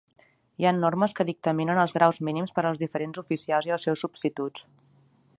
Hi han normes que dictaminen els graus mínims per als diferents oficials i els seus substituts.